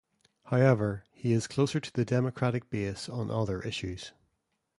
However, he is closer to the Democratic base on other issues.